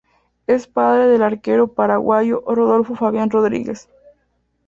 Es padre del arquero paraguayo Rodolfo Fabián Rodríguez.